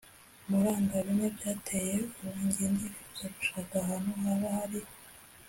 muranga bimwe byateye ubu. Nge ndifuza gushaka ahantu haba hari